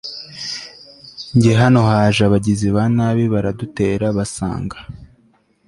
Njye hano haje abagizi banabi baradutera basanga